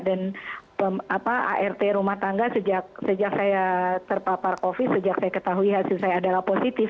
dan art rumah tangga sejak saya terpapar covid sejak saya ketahui hasil saya adalah positif